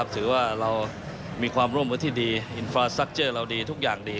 ถือว่าเรามีความร่วมมือที่ดีอินฟราซักเจอร์เราดีทุกอย่างดี